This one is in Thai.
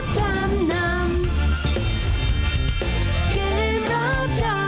เกมรับจำนำ